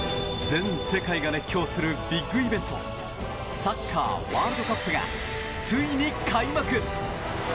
全世界が熱狂するビッグイベントサッカーワールドカップがついに開幕！